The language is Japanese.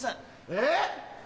えっ？